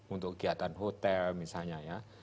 untuk kegiatan hotel misalnya